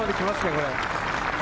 これ。